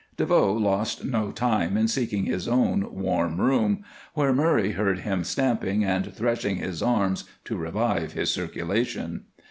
DeVoe lost no time in seeking his own warm room, where Murray heard him stamping and threshing his arms to revive his circulation.